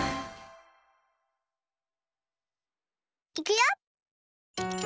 いくよ！